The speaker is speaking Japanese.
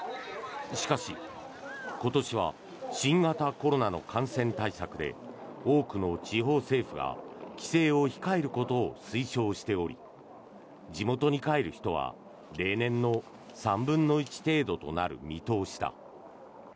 しかし、今年は新型コロナの感染対策で多くの地方政府が帰省を控えることを推奨しており地元に帰る人は例年の３分の１程度となる見通しだ。